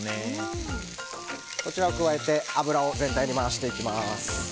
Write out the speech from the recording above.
こちらを加えて油を全体に回していきます。